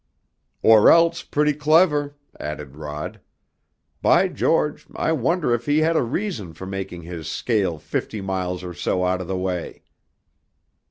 "Or else pretty clever," added Rod. "By George, I wonder if he had a reason for making his scale fifty miles or so out of the way?"